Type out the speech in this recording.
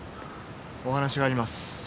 お話があります。